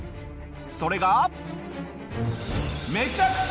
それが。